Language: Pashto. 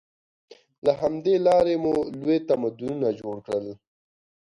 له همدې لارې مو لوی تمدنونه جوړ کړل.